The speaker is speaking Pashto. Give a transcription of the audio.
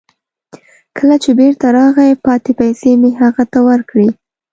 کله چې بیرته راغی، پاتې پیسې مې هغه ته ورکړې.